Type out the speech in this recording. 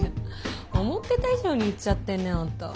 思ってた以上にいっちゃってんねあんた。